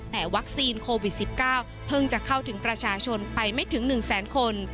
แต่วัคซีนโควิด๑๙เพิ่งจะเข้าถึงประชาชนไปไม่ถึง๑แสนคน